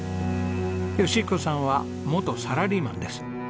義彦さんは元サラリーマンです。